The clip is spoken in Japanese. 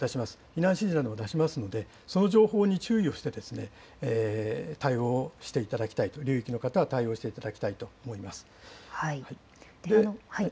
避難指示などを出しますので、その情報に注意をして、対応をしていただきたいと、流域の方は対応していただきたいと思います。